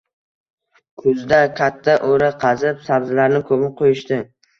Kuzda katta oʻra qazib, sabzilarni koʻmib qoʻyishdi.